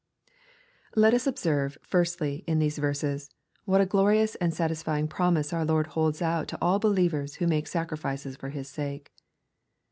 Let us observe, firstly, in these verses, what a glorious and satisfying promise our Lord holds out to all believers who make sacrifices for His sake.